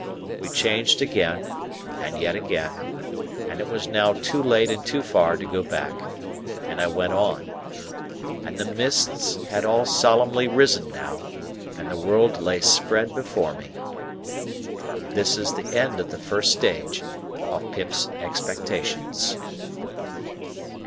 We changed again, and yet again, and it was now too late and too far to go back, and I went on. And the mists had all solemnly risen now, and the world lay spread before me. This is the end of the first stage of Pip's expectations.